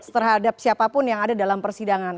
terhadap siapapun yang ada dalam persidangan